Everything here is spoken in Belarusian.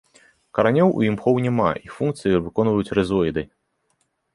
Каранёў у імхоў няма, іх функцыі выконваюць рызоіды.